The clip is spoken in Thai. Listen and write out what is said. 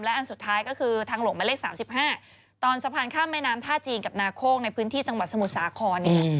อันสุดท้ายก็คือทางหลวงหมายเลข๓๕ตอนสะพานข้ามแม่น้ำท่าจีนกับนาโคกในพื้นที่จังหวัดสมุทรสาครเนี่ย